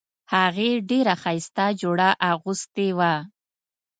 هغې ډیره ښایسته جوړه اغوستې وه